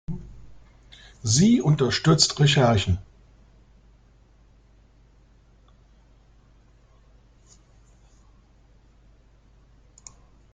Sie unterstützt Recherchen.